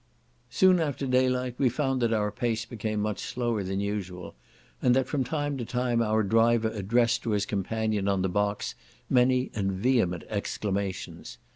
Soon after daylight we found that our pace became much slower than usual, and that from time to time our driver addressed to his companion on the box many and vehement exclamations.